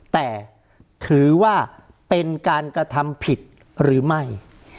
แต่ถือว่าเป็นการกระทำผิดหรือไม่